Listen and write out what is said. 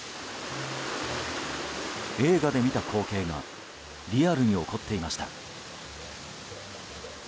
映画で見た光景がリアルに起こっていました。